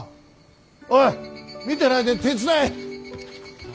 おい見てないで手伝え。